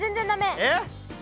えっ？